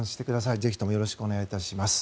ぜひともよろしくお願いします。